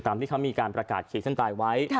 ที่เขามีการประกาศขีดเส้นตายไว้